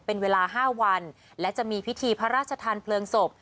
เป็นเวลา๕วันและจะมีพิธีพระราชทานเพลิงศพ